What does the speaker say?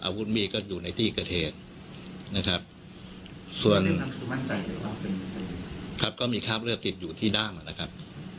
อาวุธมีก็อยู่ในที่เกิดเหตุนะครับส่วนครับก็มีคราบเลือดติดอยู่ที่ด้ามอ่ะนะครับ